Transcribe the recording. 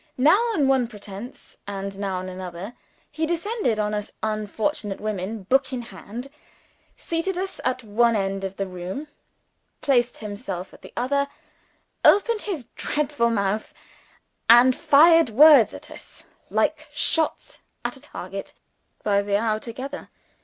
Now on one pretense, and now on another, he descended on us unfortunate women, book in hand; seated us at one end of the room; placed himself at the other; opened his dreadful mouth; and fired words at us, like shots at a target, by the hour together.